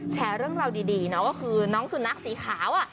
แชร์เรื่องราวดีเนาะก็คือน้องสุนัขสีขาว